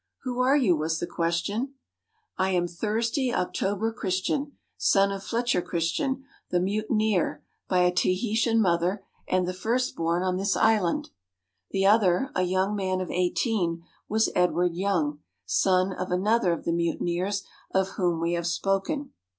"Who are you?" was the question. "I am Thursday October Christian, son of Fletcher Christian, the mutineer, by a 504 THE STORY OF PITCAIRN ISLAND Tahitan mother, and the first born on this island." The other, a young man of eighteen, was Edward Young, son of another of the mutineers of whom we have spoken.